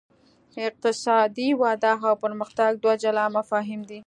اقتصادي وده او پرمختګ دوه جلا مفاهیم دي.